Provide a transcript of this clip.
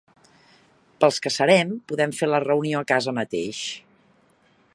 Pels que serem, podem fer la reunió a casa mateix.